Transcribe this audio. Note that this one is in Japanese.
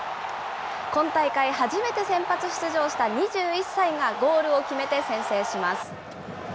今大会初めて先発出場した２１歳がゴールを決めて先制します。